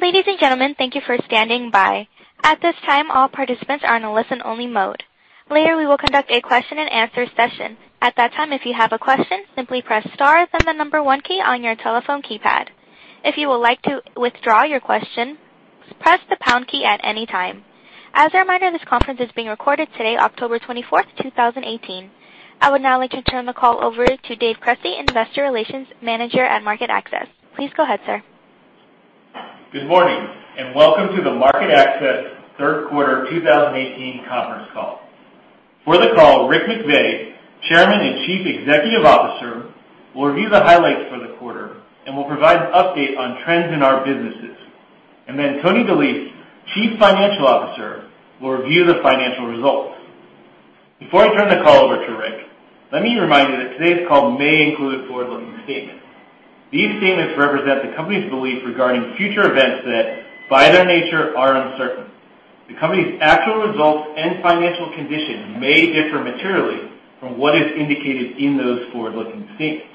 Ladies and gentlemen, thank you for standing by. At this time, all participants are in a listen-only mode. Later, we will conduct a question-and-answer session. At that time, if you have a question, simply press star, then the number one key on your telephone keypad. If you would like to withdraw your question, press the pound key at any time. As a reminder, this conference is being recorded today, October 24th, 2018. I would now like to turn the call over to David Cresci, Investor Relations Manager at MarketAxess. Please go ahead, sir. Good morning, and welcome to the MarketAxess Third Quarter 2018 conference call. For the call, Rick McVey, Chairman and Chief Executive Officer, will review the highlights for the quarter and will provide an update on trends in our businesses. Tony DeLise, Chief Financial Officer, will review the financial results. Before I turn the call over to Rick, let me remind you that today's call may include forward-looking statements. These statements represent the company's belief regarding future events that, by their nature, are uncertain. The company's actual results and financial conditions may differ materially from what is indicated in those forward-looking statements.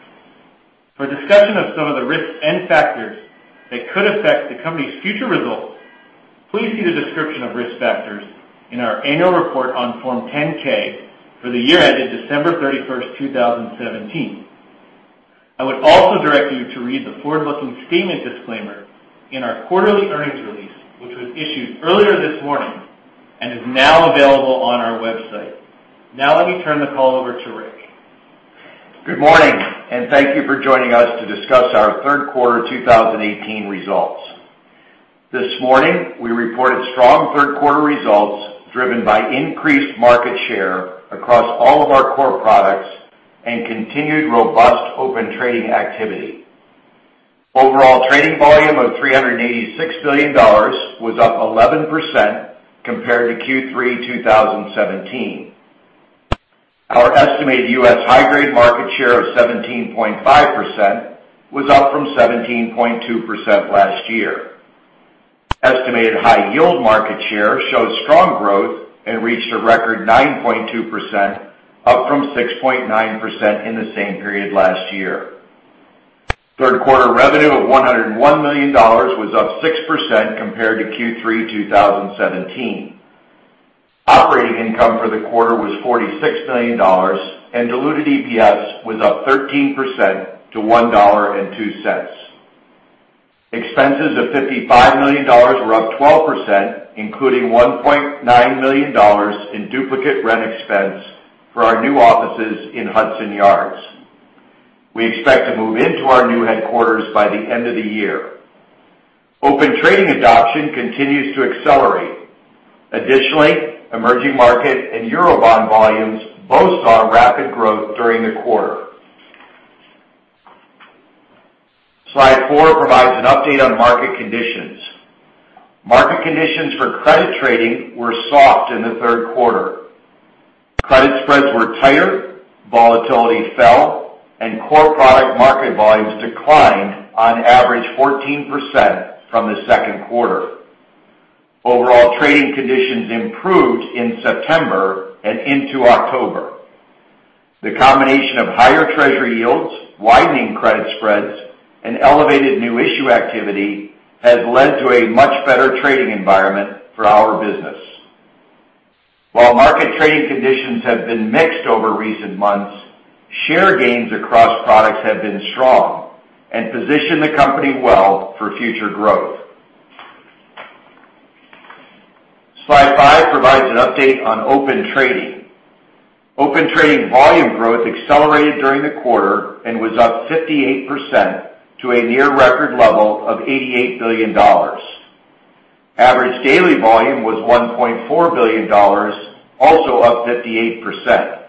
For a discussion of some of the risks and factors that could affect the company's future results, please see the description of risk factors in our annual report on Form 10-K for the year ended December 31st, 2017. I would also direct you to read the forward-looking statement disclaimer in our quarterly earnings release, which was issued earlier this morning and is now available on our website. Now let me turn the call over to Rick. Good morning, and thank you for joining us to discuss our third quarter 2018 results. This morning, we reported strong third quarter results driven by increased market share across all of our core products and continued robust Open Trading activity. Overall trading volume of $386 billion was up 11% compared to Q3 2017. Our estimated U.S. high-grade market share of 17.5% was up from 17.2% last year. Estimated high-yield market share showed strong growth and reached a record 9.2%, up from 6.9% in the same period last year. Third quarter revenue of $101 million was up 6% compared to Q3 2017. Operating income for the quarter was $46 million, and diluted EPS was up 13% to $1.02. Expenses of $55 million were up 12%, including $1.9 million in duplicate rent expense for our new offices in Hudson Yards. We expect to move into our new headquarters by the end of the year. Open Trading adoption continues to accelerate. Additionally, emerging market and Eurobond volumes both saw rapid growth during the quarter. Slide four provides an update on market conditions. Market conditions for credit trading were soft in the third quarter. Credit spreads were tighter, volatility fell, and core product market volumes declined on average 14% from the second quarter. Overall trading conditions improved in September and into October. The combination of higher Treasury yields, widening credit spreads, and elevated new issue activity has led to a much better trading environment for our business. While market trading conditions have been mixed over recent months, share gains across products have been strong and position the company well for future growth. Slide five provides an update on Open Trading. Open Trading volume growth accelerated during the quarter and was up 58% to a near record level of $88 billion. Average daily volume was $1.4 billion, also up 58%.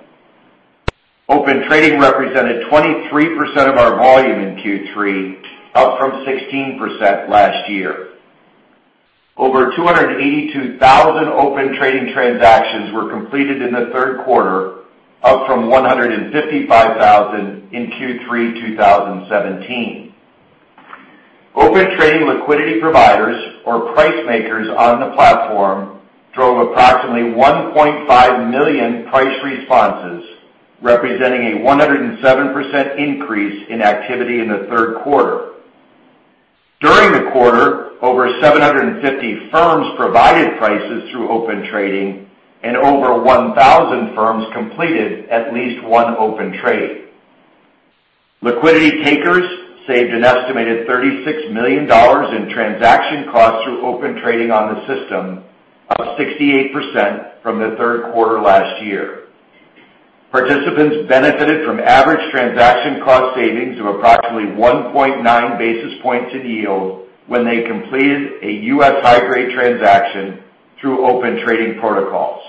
Open Trading represented 23% of our volume in Q3, up from 16% last year. Over 282,000 Open Trading transactions were completed in the third quarter, up from 155,000 in Q3 2017. Open Trading liquidity providers or price makers on the platform drove approximately 1.5 million price responses, representing a 107% increase in activity in the third quarter. During the quarter, over 750 firms provided prices through Open Trading, and over 1,000 firms completed at least one open trade. Liquidity takers saved an estimated $36 million in transaction costs through Open Trading on the system, up 68% from the third quarter last year. Participants benefited from average transaction cost savings of approximately 1.9 basis points in yield when they completed a U.S. high-grade transaction through Open Trading protocols.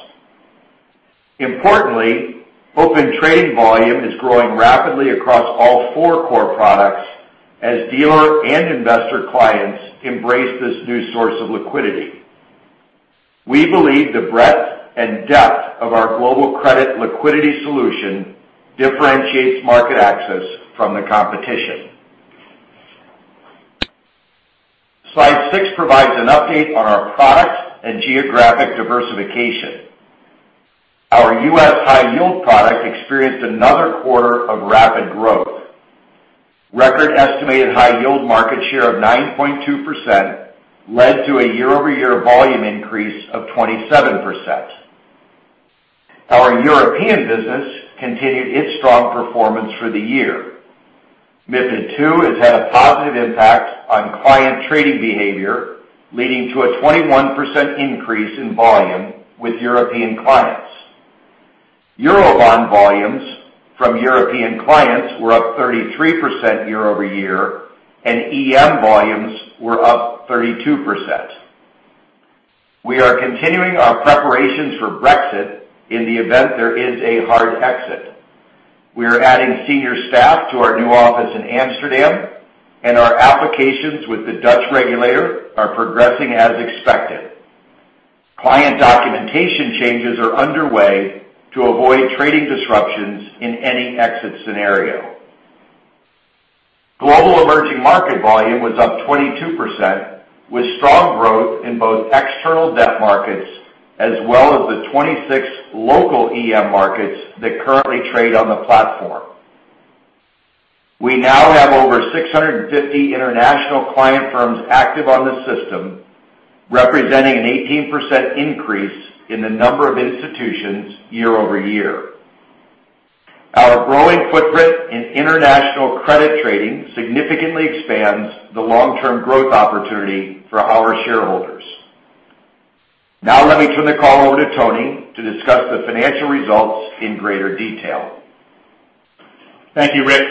Importantly, Open Trading volume is growing rapidly across all four core products as dealer and investor clients embrace this new source of liquidity. We believe the breadth and depth of our global credit liquidity solution differentiates MarketAxess from the competition. Slide six provides an update on our product and geographic diversification. Our U.S. high yield product experienced another quarter of rapid growth. Record estimated high yield market share of 9.2% led to a year-over-year volume increase of 27%. Our European business continued its strong performance for the year. MiFID II has had a positive impact on client trading behavior, leading to a 21% increase in volume with European clients. Eurobond volumes from European clients were up 33% year-over-year, and EM volumes were up 32%. We are continuing our preparations for Brexit in the event there is a hard exit. We are adding senior staff to our new office in Amsterdam, and our applications with the Dutch regulator are progressing as expected. Client documentation changes are underway to avoid trading disruptions in any exit scenario. Global emerging market volume was up 22%, with strong growth in both external debt markets as well as the 26 local EM markets that currently trade on the platform. We now have over 650 international client firms active on the system, representing an 18% increase in the number of institutions year-over-year. Our growing footprint in international credit trading significantly expands the long-term growth opportunity for our shareholders. Now let me turn the call over to Tony to discuss the financial results in greater detail. Thank you, Rick.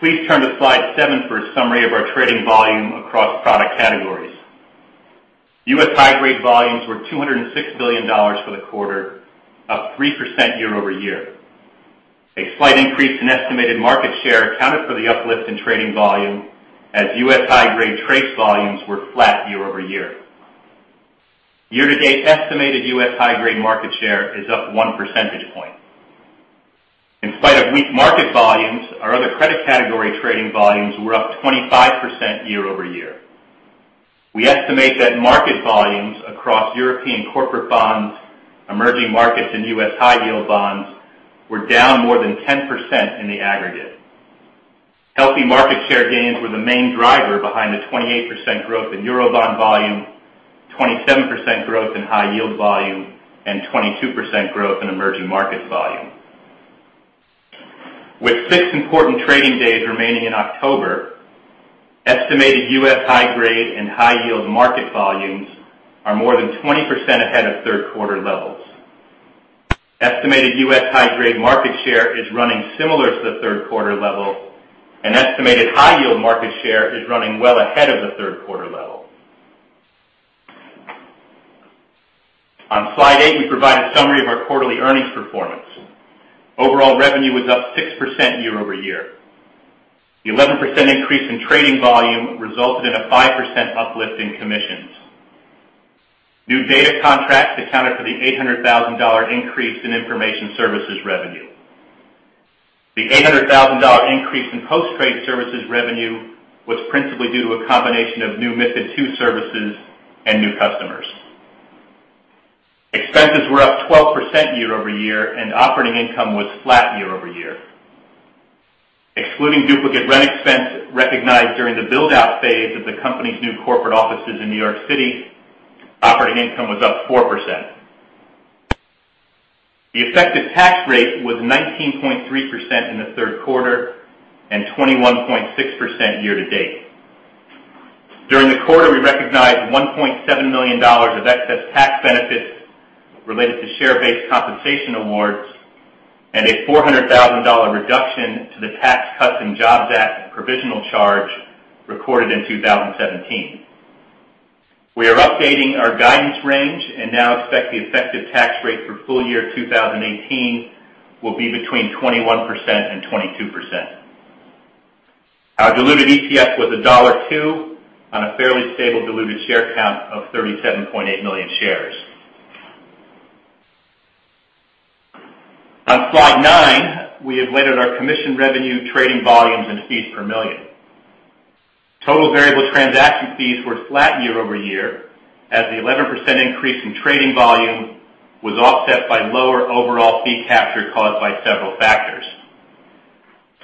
Please turn to slide seven for a summary of our trading volume across product categories. U.S. high-grade volumes were $206 billion for the quarter, up 3% year-over-year. A slight increase in estimated market share accounted for the uplift in trading volume as U.S. high-grade trade volumes were flat year-over-year. Year-to-date estimated U.S. high-grade market share is up one percentage point. In spite of weak market volumes, our other credit category trading volumes were up 25% year-over-year. We estimate that market volumes across European corporate bonds, emerging markets, and U.S. high-yield bonds were down more than 10% in the aggregate. Healthy market share gains were the main driver behind the 28% growth in Eurobond volume, 27% growth in high-yield volume, and 22% growth in emerging markets volume. With six important trading days remaining in October, estimated U.S. high-grade and high-yield market volumes are more than 20% ahead of third quarter levels. Estimated U.S. high-grade market share is running similar to the third quarter level, and estimated high-yield market share is running well ahead of the third quarter level. On slide eight, we provide a summary of our quarterly earnings performance. Overall revenue was up 6% year-over-year. The 11% increase in trading volume resulted in a 5% uplift in commissions. New data contracts accounted for the $800,000 increase in information services revenue. The $800,000 increase in post-trade services revenue was principally due to a combination of new MiFID II services and new customers. Expenses were up 12% year-over-year, and operating income was flat year-over-year. Excluding duplicate rent expense recognized during the build-out phase of the company's new corporate offices in New York City, operating income was up 4%. The effective tax rate was 19.3% in the third quarter and 21.6% year-to-date. During the quarter, we recognized $1.7 million of excess tax benefits related to share-based compensation awards and a $400,000 reduction to the Tax Cuts and Jobs Act provisional charge recorded in 2017. We are updating our guidance range and now expect the effective tax rate for full year 2018 will be between 21%-22%. Our diluted EPS was $1.02 on a fairly stable diluted share count of 37.8 million shares. On slide nine, we have laid out our commission revenue, trading volumes, and fees per million. Total variable transaction fees were flat year-over-year as the 11% increase in trading volume was offset by lower overall fee capture caused by several factors.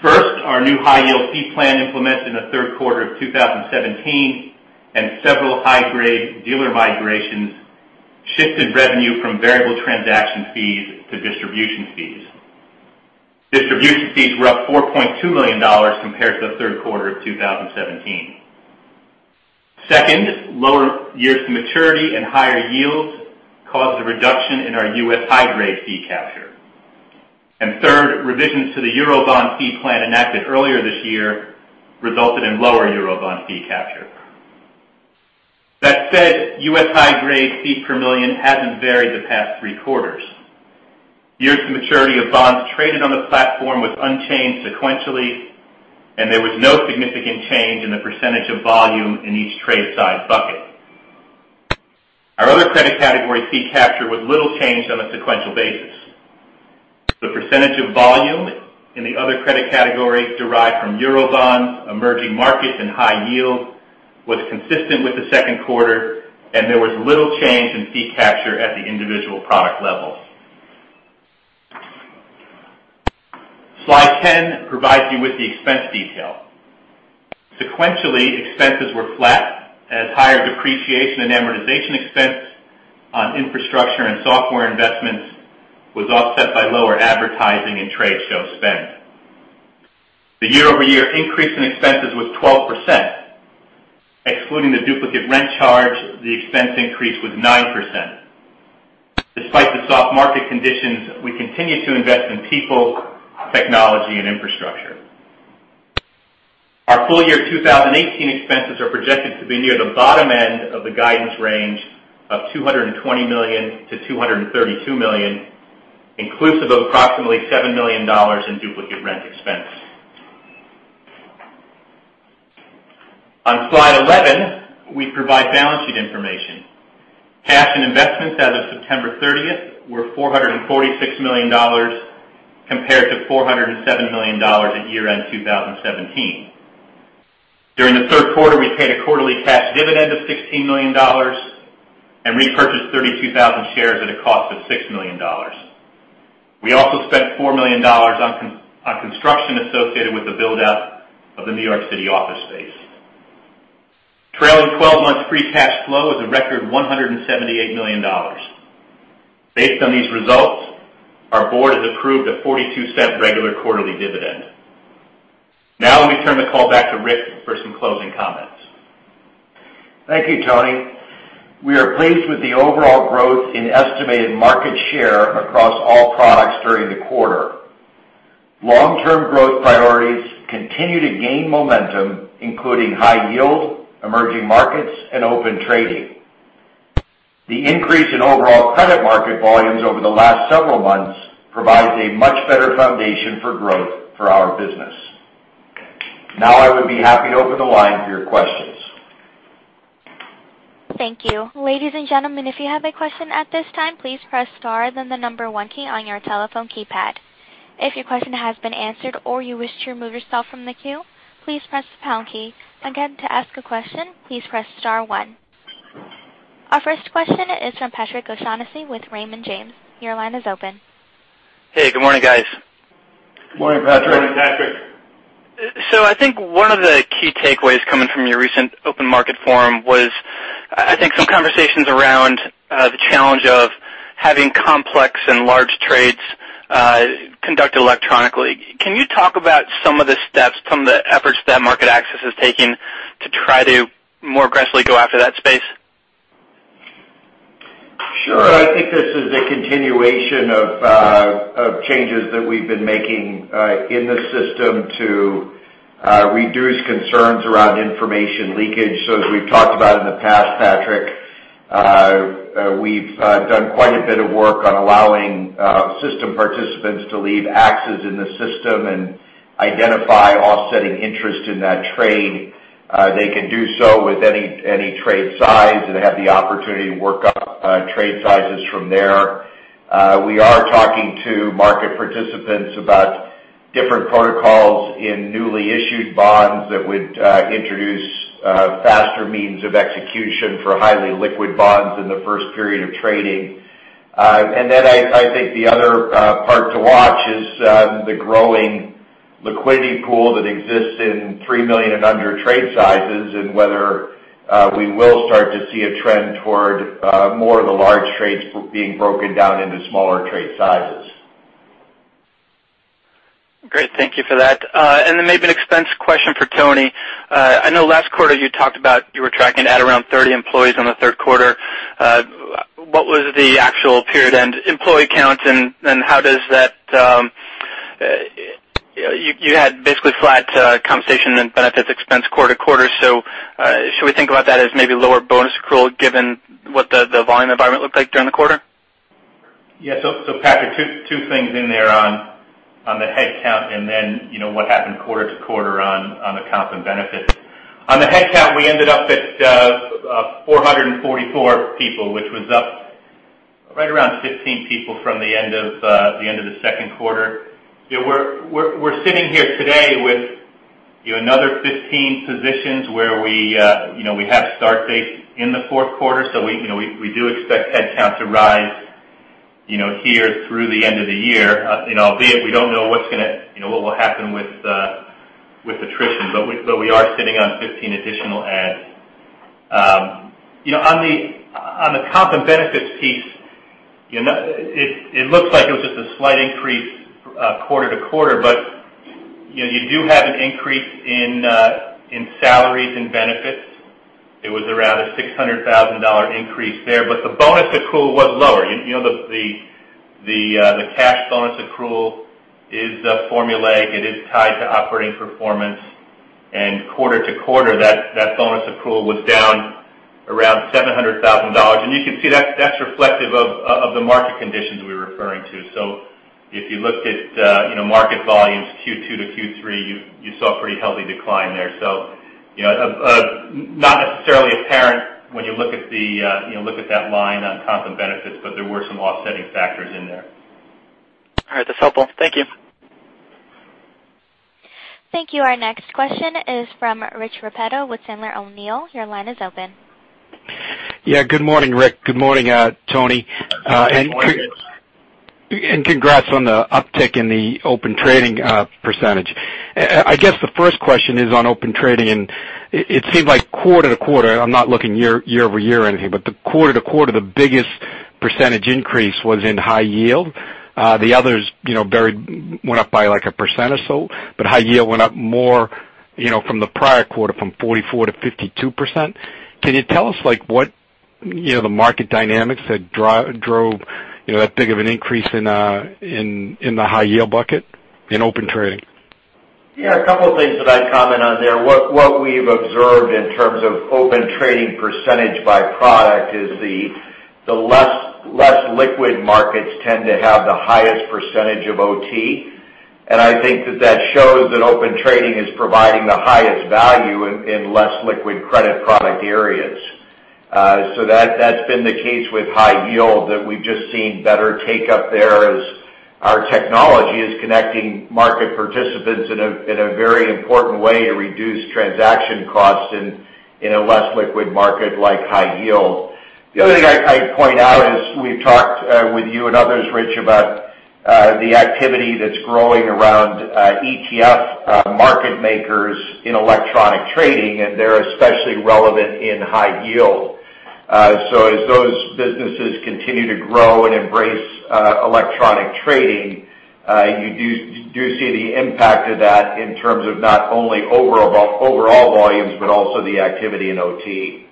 First, our new high-yield fee plan implemented in the third quarter of 2017 and several high-grade dealer migrations shifted revenue from variable transaction fees to distribution fees. Distribution fees were up $4.2 million compared to the third quarter of 2017. Second, lower years to maturity and higher yields caused a reduction in our U.S. high-grade fee capture. Third, revisions to the Eurobond fee plan enacted earlier this year resulted in lower Eurobond fee capture. That said, U.S. high-grade fees per million hasn't varied the past three quarters. Years to maturity of bonds traded on the platform was unchanged sequentially, and there was no significant change in the percentage of volume in each trade size bucket. Our other credit category fee capture was little changed on a sequential basis. The percentage of volume in the other credit categories derived from Eurobonds, emerging markets, and high yield was consistent with the second quarter, and there was little change in fee capture at the individual product level. Slide 10 provides you with the expense detail. Sequentially, expenses were flat as higher depreciation and amortization expense on infrastructure and software investments was offset by lower advertising and trade show spend. The year-over-year increase in expenses was 12%. Excluding the duplicate rent charge, the expense increase was 9%. Despite the soft market conditions, we continue to invest in people, technology, and infrastructure. Our full year 2018 expenses are projected to be near the bottom end of the guidance range of $220 million-$232 million, inclusive of approximately $7 million in duplicate rent expense. On Slide 11, we provide balance sheet information. Cash and investments as of September 30th were $446 million compared to $407 million at year-end 2017. During the third quarter, we paid a quarterly cash dividend of $16 million and repurchased 32,000 shares at a cost of $6 million. We also spent $4 million on construction associated with the build-out of the New York City office space. Trailing 12 months free cash flow is a record $178 million. Based on these results, our board has approved a $0.42 regular quarterly dividend. Let me turn the call back to Rick for some closing comments. Thank you, Tony. We are pleased with the overall growth in estimated market share across all products during the quarter. Long-term growth priorities continue to gain momentum, including high yield, emerging markets, and Open Trading. The increase in overall credit market volumes over the last several months provides a much better foundation for growth for our business. I would be happy to open the line for your questions. Thank you. Ladies and gentlemen, if you have a question at this time, please press star then the number one key on your telephone keypad. If your question has been answered or you wish to remove yourself from the queue, please press the pound key. Again, to ask a question, please press star one. Our first question is from Patrick O'Shaughnessy with Raymond James. Your line is open. Hey, good morning, guys. Good morning, Patrick. Good morning, Patrick. I think one of the key takeaways coming from your recent Open Markets forum was, I think, some conversations around the challenge of having complex and large trades conducted electronically. Can you talk about some of the steps, some of the efforts that MarketAxess has taken to try to more aggressively go after that space? Sure. I think this is a continuation of changes that we've been making in the system to reduce concerns around information leakage. As we've talked about in the past, Patrick, we've done quite a bit of work on allowing system participants to leave axes in the system and identify offsetting interest in that trade. They can do so with any trade size, and they have the opportunity to work up trade sizes from there. We are talking to market participants about different protocols in newly issued bonds that would introduce faster means of execution for highly liquid bonds in the first period of trading. I think the other part to watch is the growing liquidity pool that exists in 3 million and under trade sizes, and whether we will start to see a trend toward more of the large trades being broken down into smaller trade sizes. Great. Thank you for that. Maybe an expense question for Tony. I know last quarter you talked about you were tracking to add around 30 employees on the third quarter. What was the actual period-end employee count? You had basically flat compensation and benefits expense quarter-over-quarter. Should we think about that as maybe lower bonus accrual given what the volume environment looked like during the quarter? Patrick, two things in there on the headcount and then what happened quarter-over-quarter on the comp and benefits. On the headcount, we ended up at 444 people, which was up right around 15 people from the end of the second quarter. We're sitting here today with another 15 positions where we have start dates in the fourth quarter. We do expect headcount to rise here through the end of the year, albeit we don't know what will happen with attrition. We are sitting on 15 additional adds. On the comp and benefits piece, it looks like it was just a slight increase quarter-over-quarter, but you do have an increase in salaries and benefits. It was around a $600,000 increase there. The bonus accrual was lower. The cash bonus accrual is formulaic. It is tied to operating performance. Quarter-over-quarter, that bonus accrual was down around $700,000. You can see that's reflective of the market conditions we were referring to. If you looked at market volumes Q2 to Q3, you saw a pretty healthy decline there. Not necessarily apparent when you look at that line on comp and benefits, but there were some offsetting factors in there. All right. That's helpful. Thank you. Thank you. Our next question is from Rich Repetto with Sandler O'Neill. Your line is open. Yeah. Good morning, Rick. Good morning, Tony. Good morning, Rich. Congrats on the uptick in the Open Trading percentage. I guess the first question is on Open Trading, and it seemed like quarter-to-quarter, I'm not looking year-over-year or anything, but the quarter-to-quarter, the biggest percentage increase was in high yield. The others went up by 1% or so, but high yield went up more from the prior quarter, from 44% to 52%. Can you tell us what the market dynamics that drove that big of an increase in the high yield bucket in Open Trading? A couple of things that I'd comment on there. What we've observed in terms of Open Trading percentage by product is the less liquid markets tend to have the highest percentage of OT, and I think that that shows that Open Trading is providing the highest value in less liquid credit product areas. That's been the case with high yield, that we've just seen better take up there as our technology is connecting market participants in a very important way to reduce transaction costs in a less liquid market like high yield. The other thing I'd point out is we've talked with you and others, Rich, about the activity that's growing around ETF market makers in electronic trading. They're especially relevant in high yield. As those businesses continue to grow and embrace electronic trading, you do see the impact of that in terms of not only overall volumes, but also the activity in OT.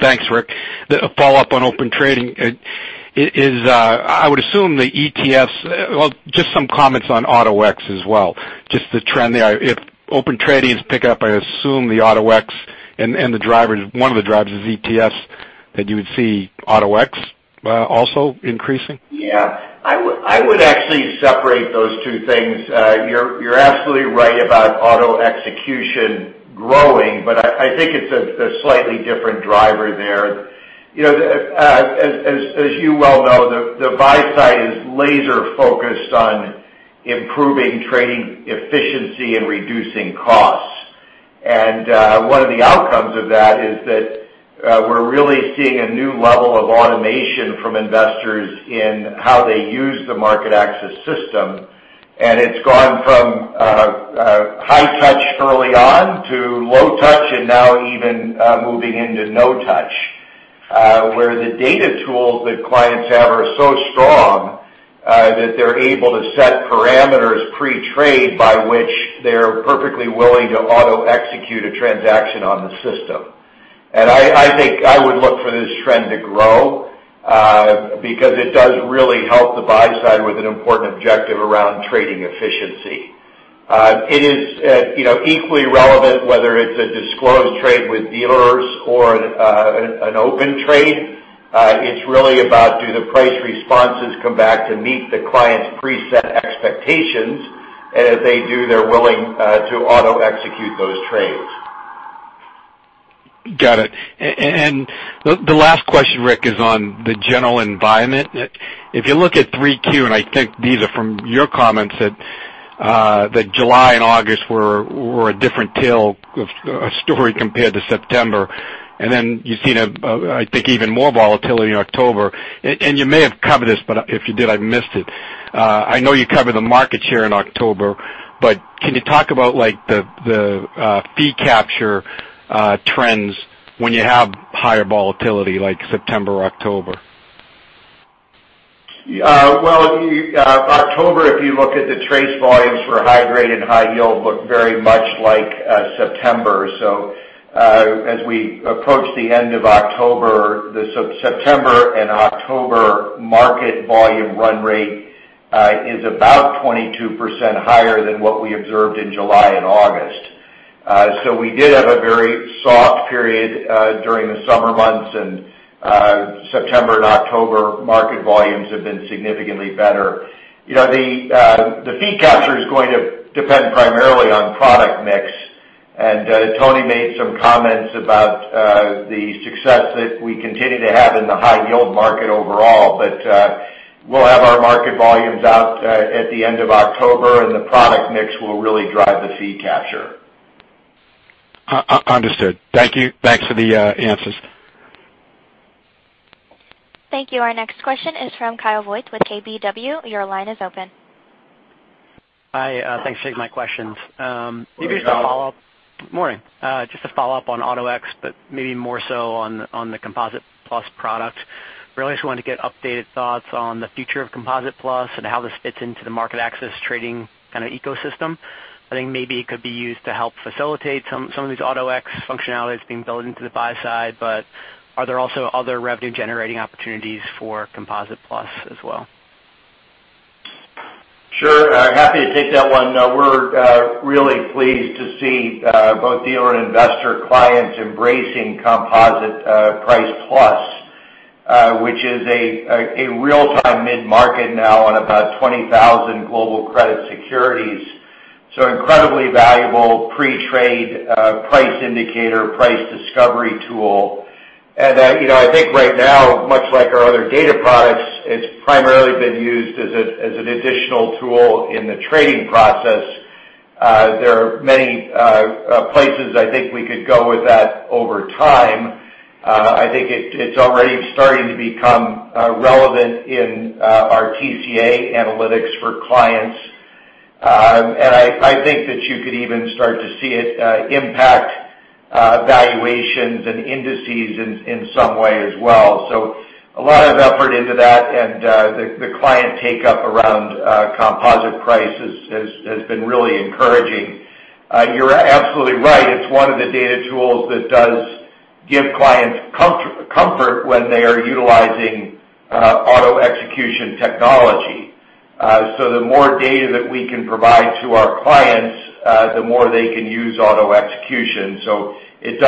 Thanks, Rick. The follow-up on Open Trading is I would assume the ETFs. Well, just some comments on Auto-X as well, just the trend there. If Open Trading picks up, I assume the Auto-X and one of the drivers is ETFs, that you would see Auto-X also increasing. Yeah. I would actually separate those two things. You're absolutely right about Auto Execution growing, but I think it's a slightly different driver there. As you well know, the buy side is laser-focused on improving trading efficiency and reducing costs. One of the outcomes of that is that we're really seeing a new level of automation from investors in how they use the MarketAxess system. It's gone from high touch early on to low touch, and now even moving into no touch, where the data tools that clients have are so strong that they're able to set parameters pre-trade by which they're perfectly willing to auto execute a transaction on the system. I think I would look for this trend to grow because it does really help the buy side with an important objective around trading efficiency. It is equally relevant whether it's a disclosed trade with dealers or an open trade. It's really about do the price responses come back to meet the client's preset expectations? If they do, they're willing to auto execute those trades. Got it. The last question, Rick, is on the general environment. If you look at 3Q, I think these are from your comments that July and August were a different tale, a story compared to September. You've seen, I think, even more volatility in October. You may have covered this, but if you did, I missed it. I know you covered the market share in October, but can you talk about the fee capture trends when you have higher volatility, like September or October? October, if you look at the TRACE volumes for high grade and high yield, look very much like September. As we approach the end of October, the September and October market volume run rate is about 22% higher than what we observed in July and August. We did have a very soft period during the summer months in September and October. Market volumes have been significantly better. The fee capture is going to depend primarily on product mix. Tony made some comments about the success that we continue to have in the high yield market overall. We'll have our market volumes out at the end of October, and the product mix will really drive the fee capture. Understood. Thank you. Thanks for the answers. Thank you. Our next question is from Kyle Voigt with KBW. Your line is open. Hi. Thanks for taking my questions. Good morning. Morning. Just a follow-up on Auto-X, but maybe more so on the Composite+ product. Really just wanted to get updated thoughts on the future of Composite+ and how this fits into the MarketAxess trading kind of ecosystem. I think maybe it could be used to help facilitate some of these Auto-X functionalities being built into the buy side, but are there also other revenue-generating opportunities for Composite+ as well? Sure. Happy to take that one. We're really pleased to see both dealer and investor clients embracing Composite+, which is a real-time mid-market now on about 20,000 global credit securities. Incredibly valuable pre-trade price indicator, price discovery tool. I think right now, much like our other data products, it's primarily been used as an additional tool in the trading process. There are many places I think we could go with that over time. I think it's already starting to become relevant in our TCA analytics for clients. I think that you could even start to see it impact valuations and indices in some way as well. A lot of effort into that, and the client take-up around Composite+ has been really encouraging. You're absolutely right. It's one of the data tools that does give clients comfort when they are utilizing auto-execution technology. The more data that we can provide to our clients, the more they can use auto execution. It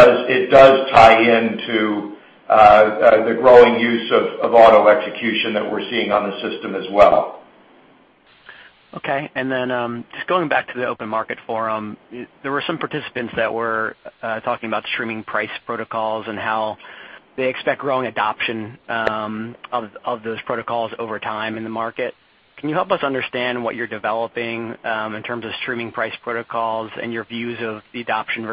does tie into the growing use of auto execution that we're seeing on the system as well. Okay. Just going back to the Open Markets forum, there were some participants that were talking about streaming price protocols and how they expect growing adoption of those protocols over time in the market. Can you help us understand what you're developing in terms of streaming price protocols and your views of the adoption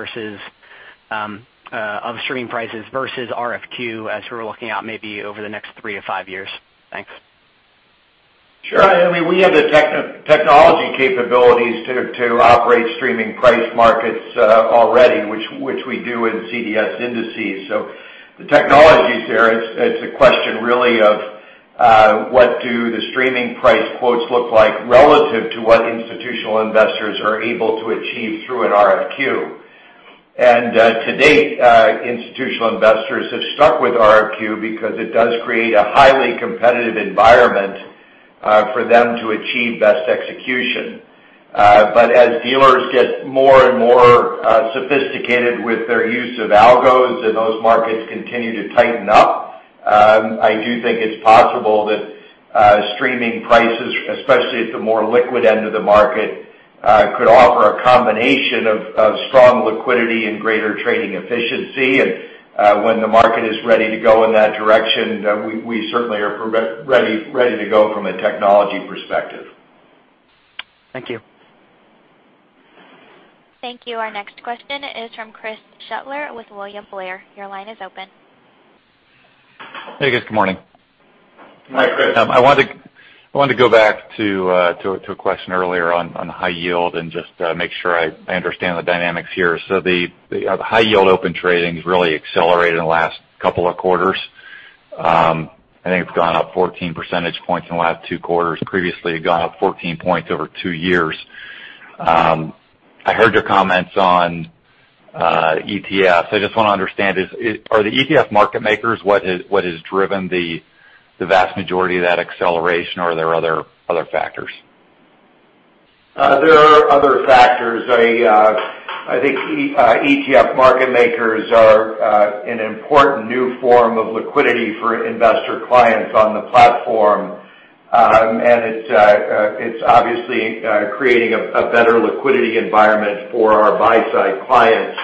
of streaming prices versus RFQ as we're looking out maybe over the next three to five years? Thanks. Sure. We have the technology capabilities to operate streaming price markets already, which we do in CDS indices. The technology's there. It's a question really of what do the streaming price quotes look like relative to what institutional investors are able to achieve through an RFQ. To date, institutional investors have stuck with RFQ because it does create a highly competitive environment for them to achieve best execution. As dealers get more and more sophisticated with their use of algos and those markets continue to tighten up, I do think it's possible that streaming prices, especially at the more liquid end of the market, could offer a combination of strong liquidity and greater trading efficiency. When the market is ready to go in that direction, we certainly are ready to go from a technology perspective. Thank you. Thank you. Our next question is from Chris Shutler with William Blair. Your line is open. Hey, guys. Good morning. Hi, Chris. I wanted to go back to a question earlier on high yield and just make sure I understand the dynamics here. The high-yield Open Trading's really accelerated in the last couple of quarters. I think it's gone up 14 percentage points in the last two quarters. Previously, it had gone up 14 points over two years. I heard your comments on ETFs. I just want to understand, are the ETF market makers what has driven the vast majority of that acceleration, or are there other factors? There are other factors. I think ETF market makers are an important new form of liquidity for investor clients on the platform. It's obviously creating a better liquidity environment for our buy-side clients.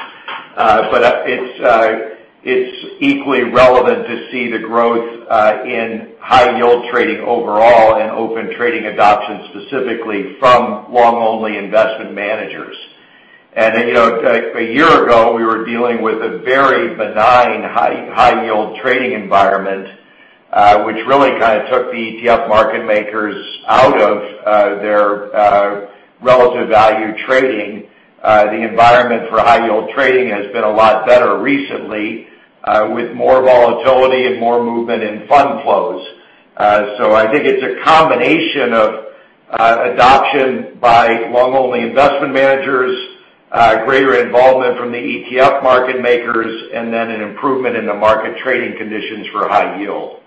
It's equally relevant to see the growth in high-yield trading overall and Open Trading adoption, specifically from long-only investment managers. A year ago, we were dealing with a very benign high-yield trading environment, which really kind of took the ETF market makers out of their relative value trading. The environment for high-yield trading has been a lot better recently, with more volatility and more movement in fund flows. I think it's a combination of adoption by long-only investment managers, greater involvement from the ETF market makers, and then an improvement in the market trading conditions for high yield.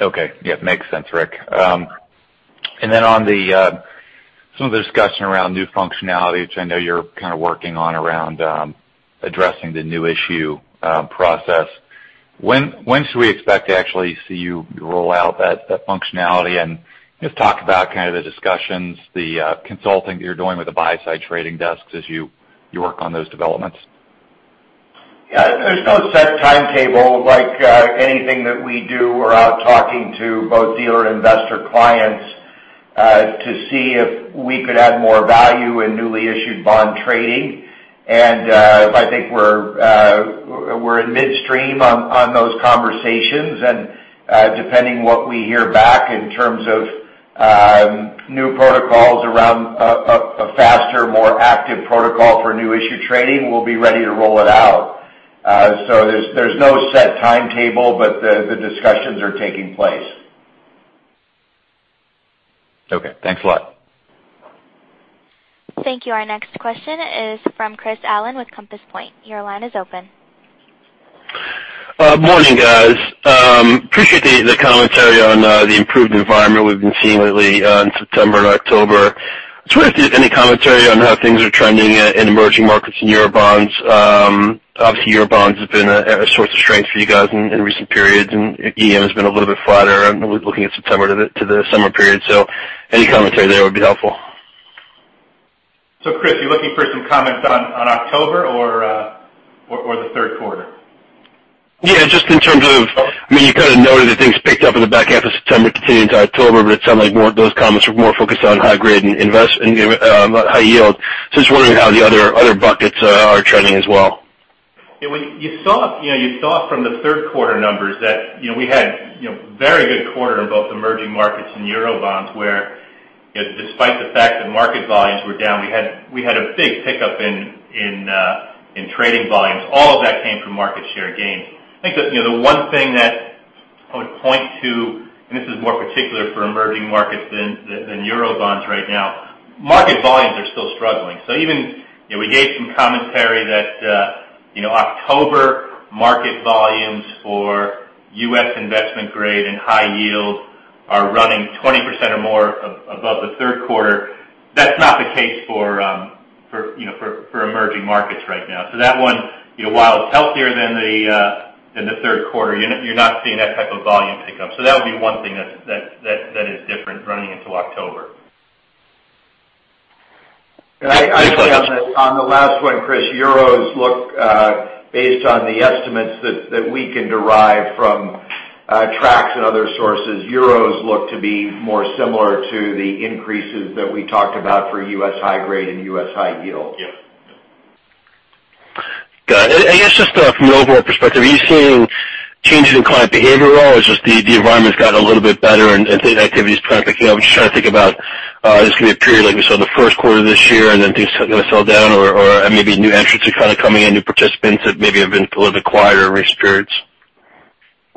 Okay. Yeah, makes sense, Rick. On some of the discussion around new functionality, which I know you're kind of working on around addressing the new issue process. When should we expect to actually see you roll out that functionality and just talk about kind of the discussions, the consulting that you're doing with the buy-side trading desks as you work on those developments? Yeah, there's no set timetable. Like anything that we do, we're out talking to both dealer and investor clients to see if we could add more value in newly issued bond trading. I think we're in midstream on those conversations, and depending what we hear back in terms of new protocols around a faster, more active protocol for new issue trading, we'll be ready to roll it out. There's no set timetable, but the discussions are taking place. Okay. Thanks a lot. Thank you. Our next question is from Chris Allen with Compass Point. Your line is open. Morning, guys. Appreciate the commentary on the improved environment we've been seeing lately in September and October. I was wondering if you have any commentary on how things are trending in emerging markets in eurobonds. Obviously, eurobonds have been a source of strength for you guys in recent periods, and EM has been a little bit flatter looking at September to the summer period. Any commentary there would be helpful. Chris, are you looking for some comments on October or the third quarter? Yeah, just in terms of, you kind of noted that things picked up in the back half of September, continued into October, it sounded like those comments were more focused on high grade and high yield. Just wondering how the other buckets are trending as well. You saw from the third quarter numbers that we had very good quarter in both emerging markets and eurobonds where, despite the fact that market volumes were down, we had a big pickup in trading volumes. All of that came from market share gains. I think that the one thing that I would point to, and this is more particular for emerging markets than eurobonds right now, market volumes are still struggling. We gave some commentary that October market volumes for U.S. investment grade and high yield are running 20% or more above the third quarter. That's not the case for emerging markets right now. That one, while it's healthier than the third quarter, you're not seeing that type of volume pickup. That would be one thing that is different running into October. I think on the last one, Chris, based on the estimates that we can derive from TRACE and other sources, euros look to be more similar to the increases that we talked about for U.S. high grade and U.S. high yield. Got it. I guess just from the overall perspective, are you seeing changes in client behavior at all, or is just the environment's got a little bit better and activity's kind of picking up? Just trying to think about, is this going to be a period like we saw the first quarter of this year, then things going to settle down or maybe new entrants are kind of coming in, new participants that maybe have been a little bit quieter in recent periods?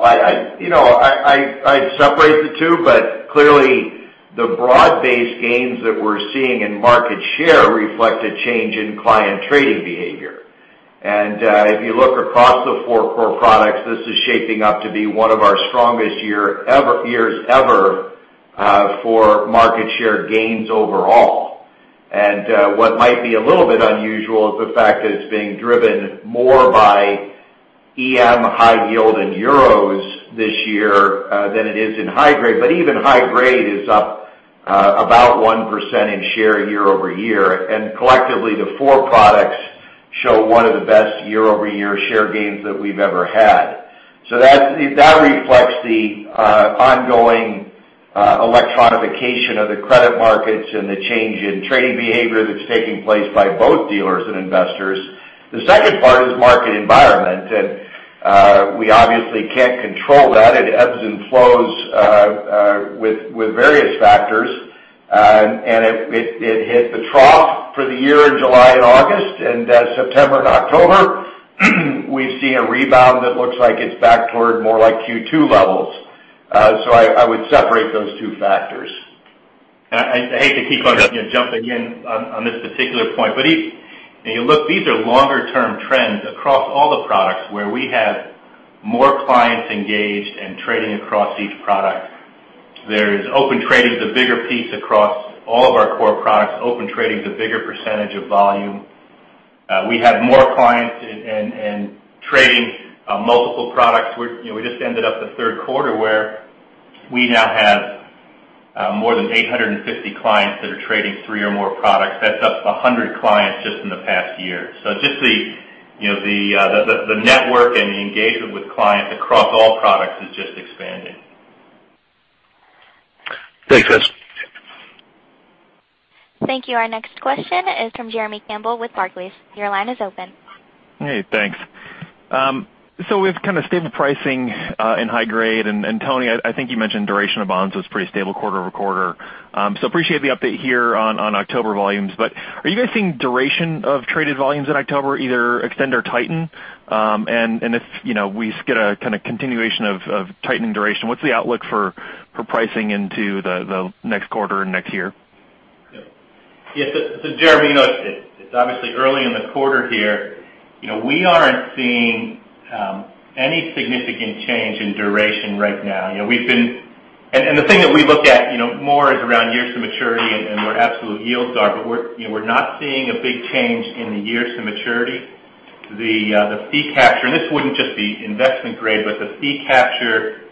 I'd separate the two. Clearly the broad-based gains that we're seeing in market share reflect a change in client trading behavior. If you look across the four core products, this is shaping up to be one of our strongest years ever for market share gains overall. What might be a little bit unusual is the fact that it's being driven more by EM high yield in euros this year, than it is in high grade. Even high grade is up about 1% in share year-over-year. Collectively, the four products show one of the best year-over-year share gains that we've ever had. That reflects the ongoing electronification of the credit markets and the change in trading behavior that's taking place by both dealers and investors. The second part is market environment, and we obviously can't control that. It ebbs and flows with various factors. It hit the trough for the year in July and August. September and October we've seen a rebound that looks like it's back toward more like Q2 levels. I would separate those two factors. I hate to keep on jumping in on this particular point, if you look, these are longer-term trends across all the products where we have more clients engaged and trading across each product. Open Trading's a bigger piece across all of our core products. Open Trading's a bigger percentage of volume. We have more clients and trading multiple products. We just ended up the third quarter where we now have more than 850 clients that are trading three or more products. That's up 100 clients just in the past year. Just the network and the engagement with clients across all products is just expanding. Thanks, guys. Thank you. Our next question is from Jeremy Campbell with Barclays. Your line is open. Hey, thanks. We've kind of stable pricing in high grade. Tony, I think you mentioned duration of bonds was pretty stable quarter-over-quarter. Appreciate the update here on October volumes. Are you guys seeing duration of traded volumes in October either extend or tighten? If we get a kind of continuation of tightening duration, what's the outlook for pricing into the next quarter and next year? Jeremy, it's obviously early in the quarter here. We aren't seeing any significant change in duration right now. The thing that we look at more is around years to maturity and where absolute yields are. We're not seeing a big change in the years to maturity. The fee capture, and this wouldn't just be investment grade, but the fee capture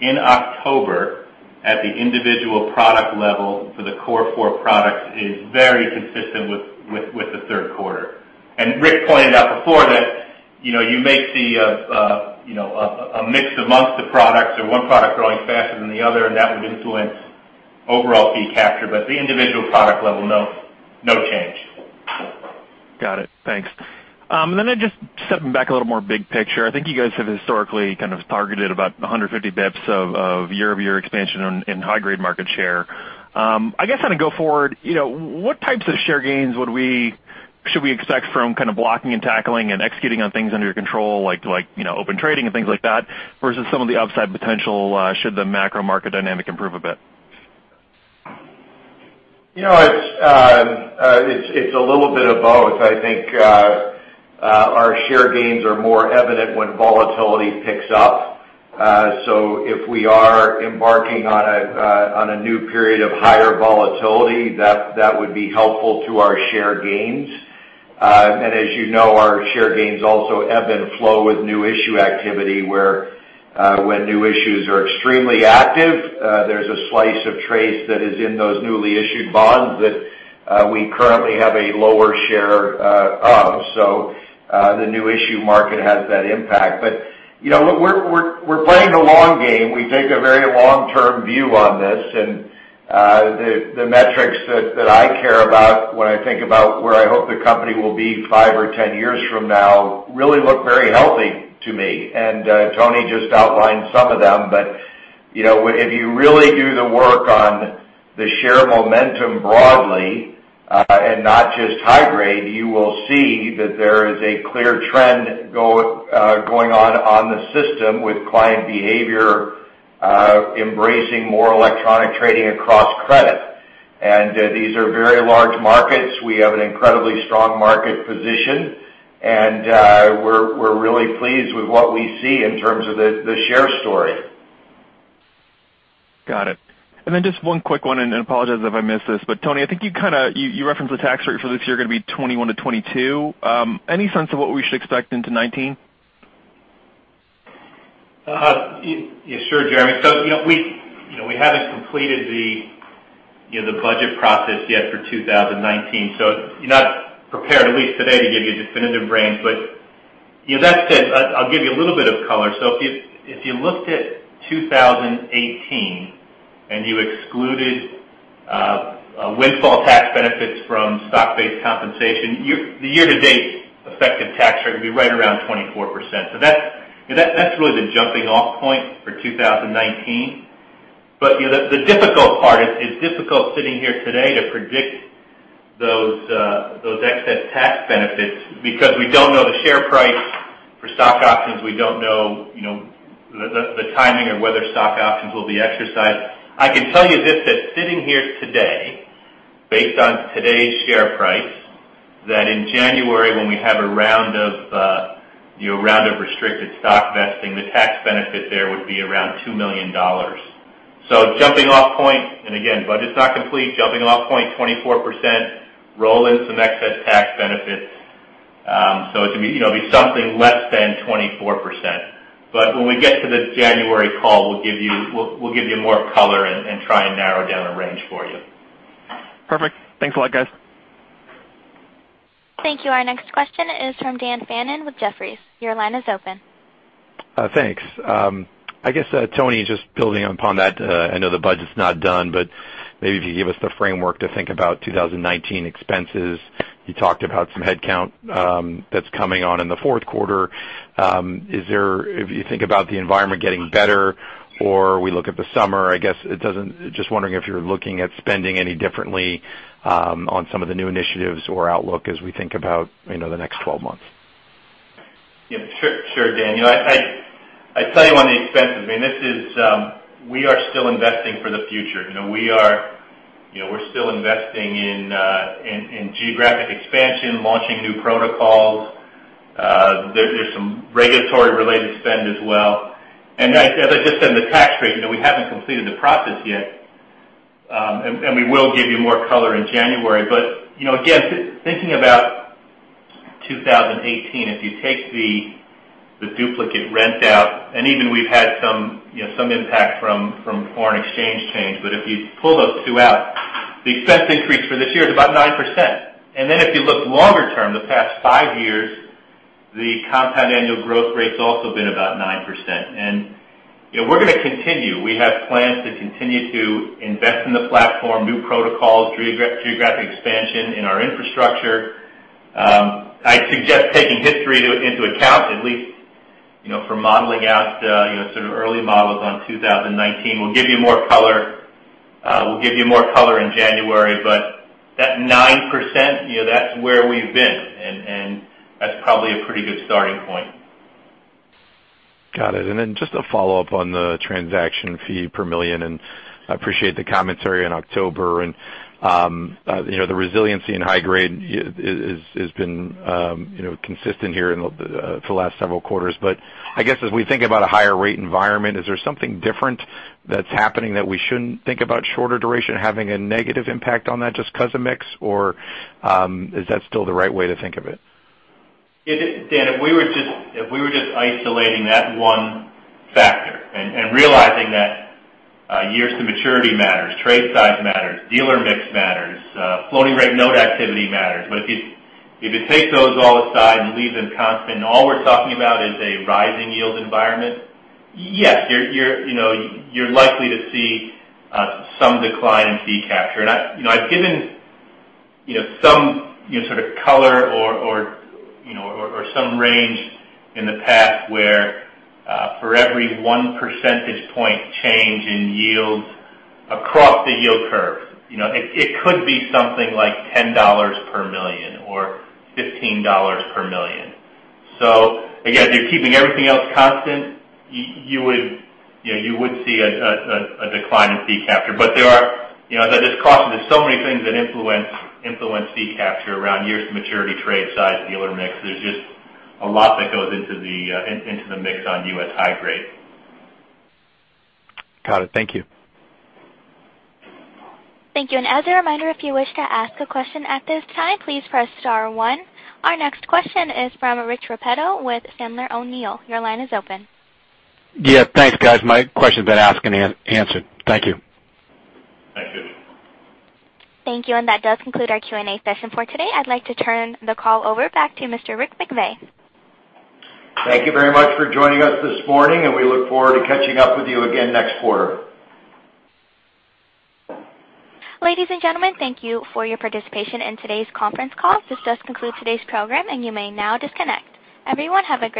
in October at the individual product level for the core four products is very consistent with the third quarter. Rick pointed out before that you may see a mix amongst the products or one product growing faster than the other, and that would influence overall fee capture, but at the individual product level, no change. Got it. Thanks. Then just stepping back a little more big picture, I think you guys have historically kind of targeted about 150 basis points of year-over-year expansion in high-grade market share. I guess, kind of go forward, what types of share gains should we expect from kind of blocking and tackling and executing on things under your control like Open Trading and things like that, versus some of the upside potential should the macro market dynamic improve a bit? It's a little bit of both. I think our share gains are more evident when volatility picks up. If we are embarking on a new period of higher volatility, that would be helpful to our share gains. As you know, our share gains also ebb and flow with new issue activity where when new issues are extremely active, there's a slice of trades that is in those newly issued bonds that we currently have a lower share of. The new issue market has that impact. We're playing the long game. We take a very long-term view on this, and the metrics that I care about when I think about where I hope the company will be five or 10 years from now really look very healthy to me. Tony just outlined some of them. If you really do the work on the share momentum broadly, and not just high grade, you will see that there is a clear trend going on on the system with client behavior, embracing more electronic trading across credit. These are very large markets. We have an incredibly strong market position, and we're really pleased with what we see in terms of the share story. Got it. Just one quick one, I apologize if I missed this, Tony, I think you referenced the tax rate for this year going to be 21% to 22%. Any sense of what we should expect into 2019? Yeah, sure, Jeremy. We haven't completed the budget process yet for 2019, I'm not prepared, at least today, to give you a definitive range. That said, I'll give you a little bit of color. If you looked at 2018 and you excluded windfall tax benefits from stock-based compensation, the year-to-date effective tax rate would be right around 24%. That's really the jumping-off point for 2019. The difficult part, it's difficult sitting here today to predict those excess tax benefits because we don't know the share price for stock options. We don't know the timing of whether stock options will be exercised. I can tell you this, that sitting here today, based on today's share price, that in January, when we have a round of restricted stock vesting, the tax benefit there would be around $2 million. Jumping off point, and again, budget's not complete, jumping off point 24%, roll in some excess tax benefits. It's going to be something less than 24%. When we get to the January call, we'll give you more color and try and narrow down a range for you. Perfect. Thanks a lot, guys. Thank you. Our next question is from Daniel Fannon with Jefferies. Your line is open. Thanks. I guess, Tony, just building upon that, I know the budget's not done, but maybe if you give us the framework to think about 2019 expenses. You talked about some headcount that's coming on in the fourth quarter. If you think about the environment getting better or we look at the summer, I guess, just wondering if you're looking at spending any differently on some of the new initiatives or outlook as we think about the next 12 months. Yeah. Sure, Dan. I tell you on the expenses, we are still investing for the future. We're still investing in geographic expansion, launching new protocols. There's some regulatory-related spend as well. As I just said, the tax rate, we haven't completed the process yet. We will give you more color in January. Again, thinking about 2018, if you take the duplicate rent out, and even we've had some impact from foreign exchange change, but if you pull those two out, the expense increase for this year is about 9%. Then if you look longer term, the past five years, the compound annual growth rate's also been about 9%. We're going to continue. We have plans to continue to invest in the platform, new protocols, geographic expansion in our infrastructure. I'd suggest taking history into account, at least for modeling out sort of early models on 2019. We'll give you more color in January, but that 9%, that's where we've been, and that's probably a pretty good starting point. Got it. Just a follow-up on the transaction fee per million, I appreciate the commentary on October and the resiliency in high grade has been consistent here for the last several quarters. I guess as we think about a higher rate environment, is there something different that's happening that we shouldn't think about shorter duration having a negative impact on that just because of mix, or is that still the right way to think of it? Dan, if we were just isolating that one factor and realizing that years to maturity matters, trade size matters, dealer mix matters, floating rate note activity matters. If you take those all aside and leave them constant, all we're talking about is a rising yield environment. Yes, you're likely to see some decline in fee capture. I've given some sort of color or some range in the past where for every one percentage point change in yields across the yield curve, it could be something like $10 per million or $15 per million. Again, if you're keeping everything else constant, you would see a decline in fee capture. At this cost, there's so many things that influence fee capture around years to maturity, trade size, dealer mix. There's just a lot that goes into the mix on U.S. high grade. Got it. Thank you. Thank you. As a reminder, if you wish to ask a question at this time, please press star one. Our next question is from Rich Repetto with Sandler O'Neill. Your line is open. Yeah. Thanks, guys. My question's been asked and answered. Thank you. Thank you. Thank you. That does conclude our Q&A session for today. I'd like to turn the call over back to Mr. Rick McVey. Thank you very much for joining us this morning. We look forward to catching up with you again next quarter. Ladies and gentlemen, thank you for your participation in today's conference call. This does conclude today's program, and you may now disconnect. Everyone, have a great day.